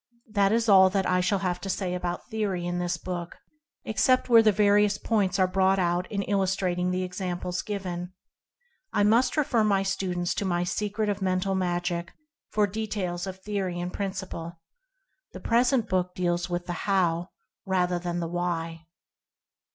This is all that I shall have to say about theory in this book, except where the various points are brought out in illustrating the examples given. I must refer my students to my "Secret of Mental Magic" for de tails of theory and principle. The present book deals with the "HOW?" rather than the "Why?"